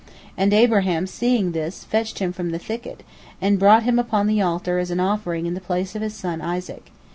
And Abraham, seeing this, fetched him from the thicket, and brought him upon the altar as an offering in the place of his son Isaac.